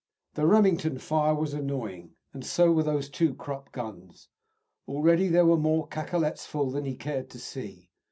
The Remington fire was annoying, and so were those two Krupp guns; already there were more cacolets full than he cared to see.